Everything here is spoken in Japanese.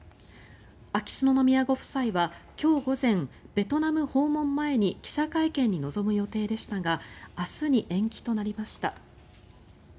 秋篠宮ご夫妻は今日午前ベトナム訪問前に記者会見に臨む予定でしたが明日に延期となりました。